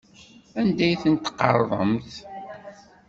Anda ay tent-tqerḍemt?